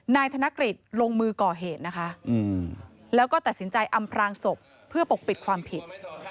นายกฤษลงมือก่อเหตุนะคะแล้วก็ตัดสินใจอำพรางศพเพื่อปกปิดความผิด